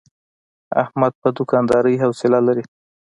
احمد په دوکاندارۍ حوصله لري.